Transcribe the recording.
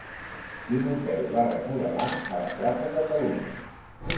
Quin hotel va remodelar a la plaça Catalunya?